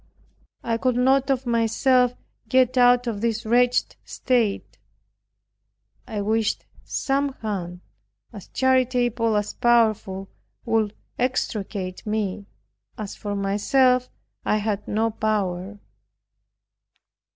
I could not of myself get out of this wretched state. I wished some hand as charitable as powerful would extricate me; as for myself I had no power.